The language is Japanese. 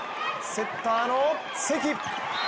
セッターの関。